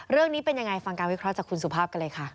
เรื่องนี้เป็นยังไงฟังการวิเคราะห์จากคุณสุภาพกันเลยค่ะ